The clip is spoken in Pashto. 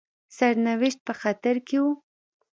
سرنوشت په خطر کې وو.